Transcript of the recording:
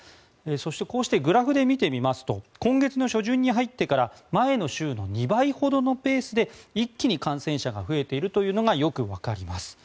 そしてこうしてグラフで見てみますと今月の初旬に入ってから前の週の２倍ほどのペースで一気に感染者が増えているというのがよくわかります。